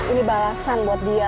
ini balasan buat dia